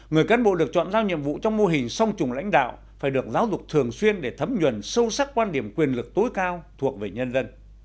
người cán bộ được chọn giao nhiệm vụ trong mô hình song trùng lãnh đạo phải được giáo dục thường xuyên để thấm nhuần sâu sắc quan điểm quyền lực tối cao thuộc về nhân dân